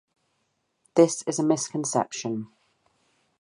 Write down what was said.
This is a misconception.